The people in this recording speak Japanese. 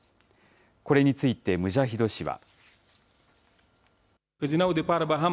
これについてムジャヒド氏は。